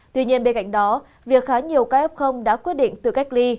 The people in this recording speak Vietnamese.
tuy nhiên bên cạnh đó việc khá nhiều ca f đã quyết định tự cách ly